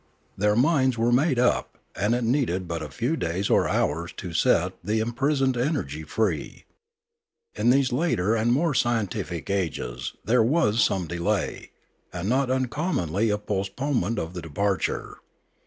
Their minds were made up and it needed but a few days or hours to set the im prisoned energy free. In these later and more scien tific ages there was some delay, and not uncommonly a postponement of the departure.